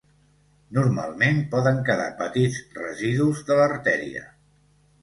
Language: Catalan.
Normalment poden quedar petits residus de l'artèria.